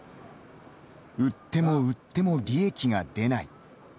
売っても売っても利益が出ない。